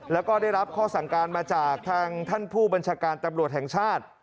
แล้วก็ได้รับข้อสั่งการมาจากทางท่านผู้บัญชาการตำรวจแห่งชาติ